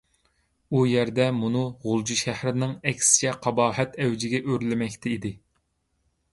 ئۇ يەردە مۇنۇ غۇلجا شەھىرىنىڭ ئەكسىچە قاباھەت ئەۋجىگە ئۆرلىمەكتە ئىدى.